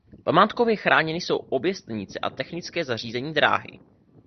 Památkově chráněny jsou obě stanice a technické zařízení dráhy.